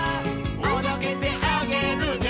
「おどけてあげるね」